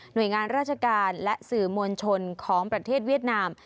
โดยงานราชการและสื่อมวลชนของประเทศเวียดนาม